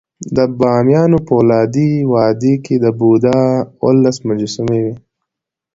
د بامیانو فولادي وادي کې د بودا اوولس مجسمې وې